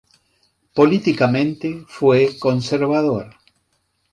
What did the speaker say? Políticamente, fue conservador.